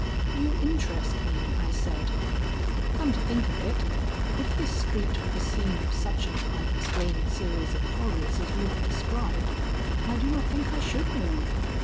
"You interest me," I said. "Come to think of it, if this street were the scene of such an unexplained series of horrors as you have described, I do not think I should move."